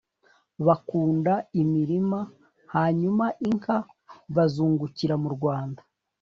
bakunda imirima, hanyuma inka bazungukira mu rwanda?